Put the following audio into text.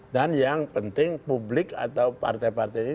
dan yang penting publik atau partai partai ini